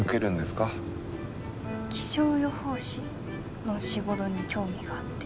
気象予報士の仕事に興味があって。